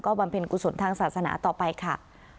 เพ็ญกุศลทางศาสนาต่อไปค่ะ